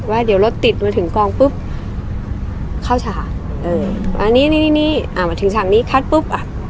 ว่าเดี๋ยวรถติดมาถึงกลางปึ๊บเข้าฉากมาถึงฉางนี้คัดปุ๊บ